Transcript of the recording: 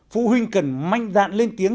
phụ huynh cần manh dạn lên tiếng